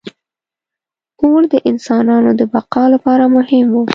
• اور د انسانانو د بقا لپاره مهم و.